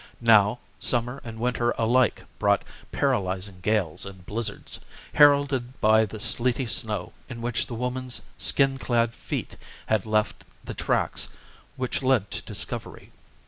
Now, summer and winter alike brought paralyzing gales and blizzards, heralded by the sleety snow in which the woman's skin clad feet had left the tracks which led to discovery.